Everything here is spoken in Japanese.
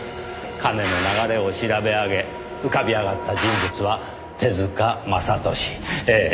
金の流れを調べ上げ浮かび上がった人物は手塚正敏ええ